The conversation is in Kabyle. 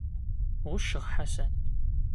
Ɣucceɣ Ḥasan.